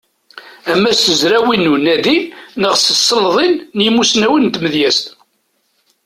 Ama s tezrawin n unadi neɣ s tselḍin n yimussnawen n tmedyazt.